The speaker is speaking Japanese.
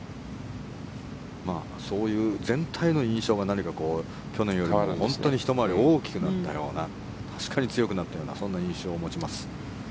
そういう全体の印象が去年よりも本当にひと回り大きくなったような確かに強くなったようなそんな印象を持ちます。